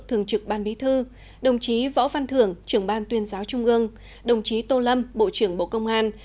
thường trực ban bí thư đồng chí võ văn thưởng trưởng ban tuyên giáo trung ương đồng chí tô lâm bộ trưởng bộ công an